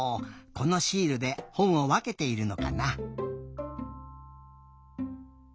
このシールでほんをわけているのかな？